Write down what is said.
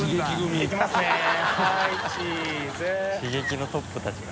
刺激のトップたちが。